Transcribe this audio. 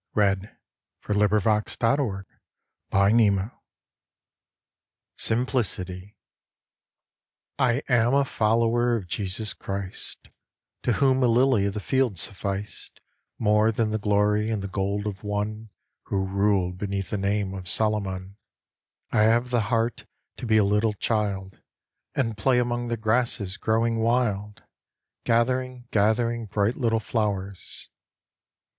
IN THE NET OF THE STARS Simplicity I AM a follower of Jesus Christ, To whom a lily of the field sufficed More than the glory and the gold of one Who ruled beneath the name of Solomon. I have the heart to be a little child, And play among the grasses growing wild, Gathering, gathering bright little flowers.